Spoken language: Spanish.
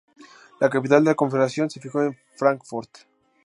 La capital de la Confederación se fijó en Fráncfort.